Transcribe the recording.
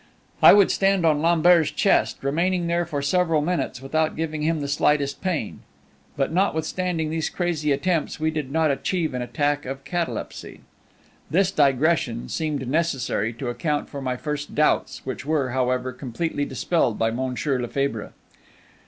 I would stand on Lambert's chest, remaining there for several minutes without giving him the slightest pain; but notwithstanding these crazy attempts, we did not achieve an attack of catalepsy. This digression seemed necessary to account for my first doubts, which were, however, completely dispelled by Monsieur Lefebvre.